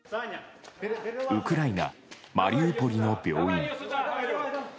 ウクライナ・マリウポリの病院。